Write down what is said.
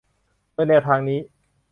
โดยแนวทางนี้